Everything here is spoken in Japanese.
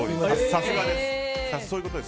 さすがです。